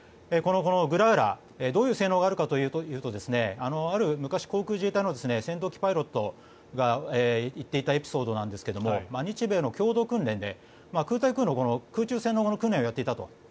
このグラウラーどういう性能があるかというとある昔、航空自衛隊の戦闘機パイロットが言っていたエピソードなんですが日米の共同訓練で空対空の空中戦の訓練をやっていたと。